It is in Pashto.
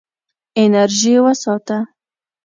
انرژي وساته.